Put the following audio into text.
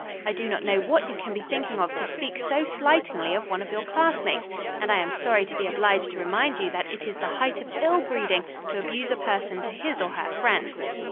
I do not know what you can be thinking of to speak so slightingly of one of your classmates, and I am sorry to be obliged to remind you that it is the height of ill breeding to abuse a person to his or her friends."